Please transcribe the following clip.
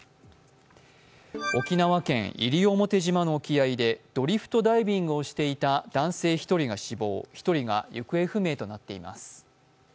沖縄県西表島の沖合でドリフトダイビングをしていた男性１人が死亡、１人が行方不明となっています。